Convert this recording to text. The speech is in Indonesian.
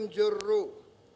mikul duwur mendem jeruk